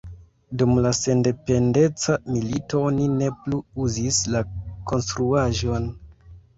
Dum la sendependeca milito oni ne plu uzis la konstruaĵon.